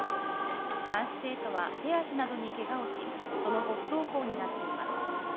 男子生徒は手足などにけがをし、その後、不登校になっています。